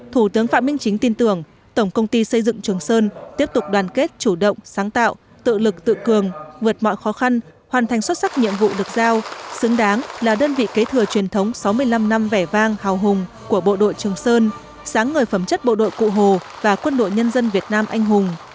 thủ tướng phạm minh chính tin tưởng tổng công ty xây dựng trường sơn tiếp tục đoàn kết chủ động sáng tạo tự lực tự cường vượt mọi khó khăn hoàn thành xuất sắc nhiệm vụ được giao xứng đáng là đơn vị kế thừa truyền thống sáu mươi năm năm vẻ vang hào hùng của bộ đội trường sơn sáng người phẩm chất bộ đội cụ hồ và quân đội nhân dân việt nam anh hùng